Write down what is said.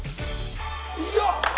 よっ！